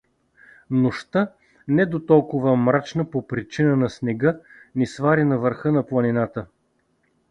Нощта, не дотолкова мрачна по причина на снега, ни свари на върха на планината.